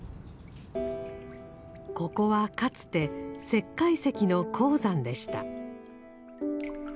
ここはかつて石灰石の鉱山でした。